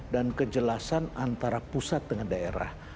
dan kejelasan antara pusat dengan daerah